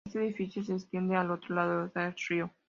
Este edificio se extiende al otro lado del río.